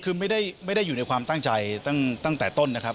คือไม่ได้อยู่ในความตั้งใจตั้งแต่ต้นนะครับ